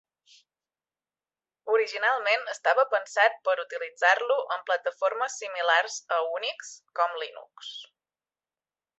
Originalment estava pensat per utilitzar-lo en plataformes similars a Unix com Linux.